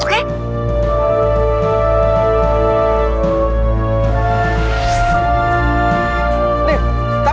aduh aku mau pulang